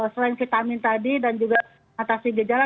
selain vitamin tadi dan juga atasi gejala